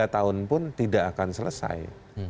tiga tahun pun tidak akan selesai